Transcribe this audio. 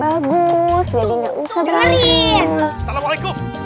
wah lah bagus tuh bunyinya juga enak lagi